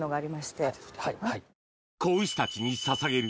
子牛たちにささげる